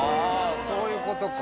そういうことか。